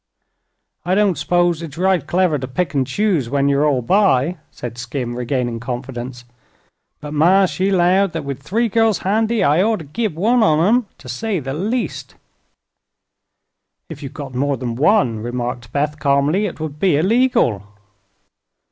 "I don't s'pose it's right clever to pick an' choose when ye're all by," said Skim, regaining confidence. "But ma, she 'lowed thet with three gals handy I orter git one on 'em, to say the least." "If you got more than one," remarked Beth, calmly, "it would be illegal."